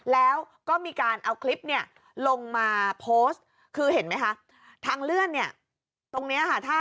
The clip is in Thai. แล้วก็มีการเอาคลิปเนี่ยลงมาโพสต์